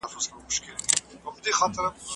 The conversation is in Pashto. بدن باید پیاوړی وساتل سي.